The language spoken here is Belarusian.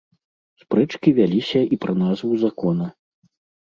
Спрэчкі вяліся і пра назву закона.